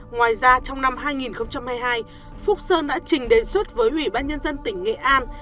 ngoài ra trong năm hai nghìn hai mươi hai phúc sơn đã trình đề xuất với ủy ban nhân dân tỉnh nghệ an